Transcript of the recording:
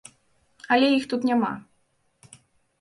Але іх тут няма.